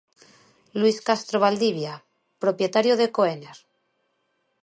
Luís Castro Valdivia, propietario de Ecoener.